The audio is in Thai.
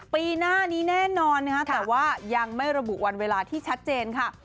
ปีหน้านี้แน่นอนนะคะแต่ว่ายังไม่ระบุวันเวลาที่ชัดเจนค่ะ